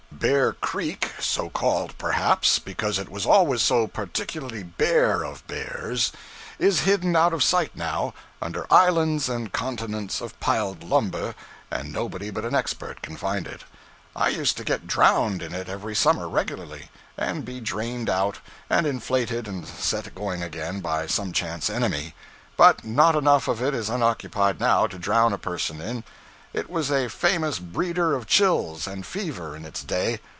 Bear Creek so called, perhaps, because it was always so particularly bare of bears is hidden out of sight now, under islands and continents of piled lumber, and nobody but an expert can find it. I used to get drowned in it every summer regularly, and be drained out, and inflated and set going again by some chance enemy; but not enough of it is unoccupied now to drown a person in. It was a famous breeder of chills and fever in its day.